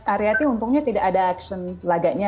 lagi lagi ariati untungnya tidak ada aksi laganya